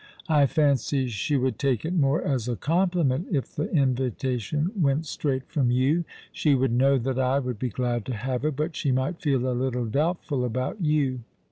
'' I fancy she would take it more as a compliment if the invitation went straight from you. She would know that I would be glad to have her, but she might feel a little doubt ful about you."